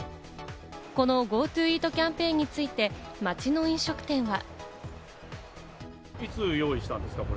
このＧｏＴｏＥａｔキャンペーンについて、街の飲食店は。